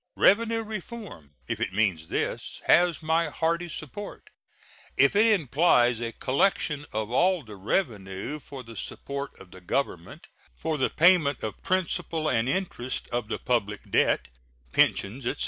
Revenue reform, if it means this, has my hearty support. If it implies a collection of all the revenue for the support of the Government, for the payment of principal and interest of the public debt, pensions, etc.